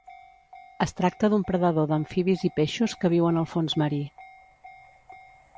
Es tracta d'un predador d'amfibis i peixos que viuen al fons marí.